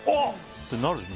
ってなるでしょ。